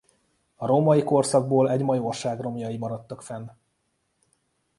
A római korszakból egy majorság romjai maradtak fenn.